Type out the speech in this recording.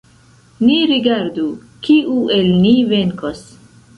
Ni rigardu, kiu el ni venkos!